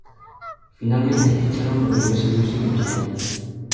Finalmente ficharon por Universal Music en España.